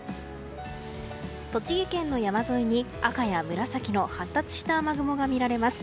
栃木県の山沿いに赤や紫の発達した雨雲が見られます。